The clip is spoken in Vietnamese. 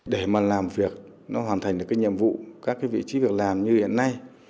để mà làm việc nó hoàn thành được cái nhiệm vụ các cái vị trí việc làm như hiện nay